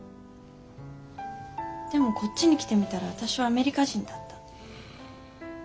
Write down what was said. でもこっちに来てみたら私はアメリカ人だったんです。